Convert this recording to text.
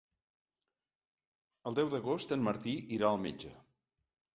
El deu d'agost en Martí irà al metge.